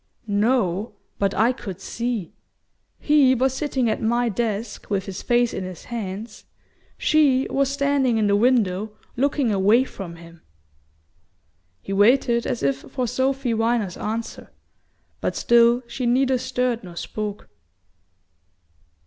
"No; but I could see. HE was sitting at my desk, with his face in his hands. SHE was standing in the window, looking away from him..." He waited, as if for Sophy Viner's answer; but still she neither stirred nor spoke.